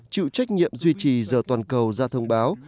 chịu trách nhiệm duy trì giờ toàn cầu ra thông báo